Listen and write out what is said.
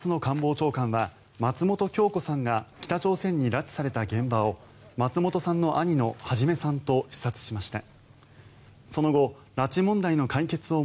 松野官房長官は松本京子さんが北朝鮮に拉致された現場を松本さんの兄の孟さんと視察しました。